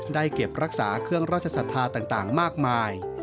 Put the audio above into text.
เก็บรักษาเครื่องราชศรัทธาต่างมากมาย